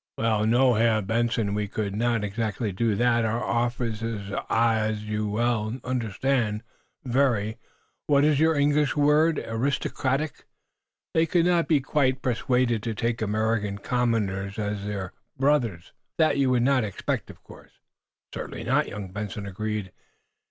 "Well, no, Herr Benson. We could not exactly do that. Our officers are, as you will understand, very what is your English word? aristocratic. They could not be quite persuaded to take American commoners as their brother officers. That you would not expect, of course." "Certainly not," young Benson agreed.